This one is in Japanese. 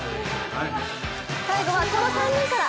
最後はこの３人から。